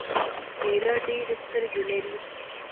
وېره ډېرې سترګې لري.